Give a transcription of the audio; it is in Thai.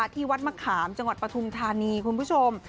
ที่วัดมะขามจังหวัดปฐุมธานีคุณผู้ชม